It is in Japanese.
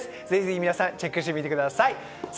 ぜひ皆さんチェックしてみてください。